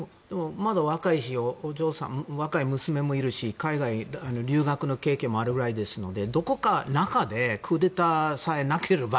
まだ若い娘もいるし海外に留学の経験もあるくらいですので中でクーデターさえなければ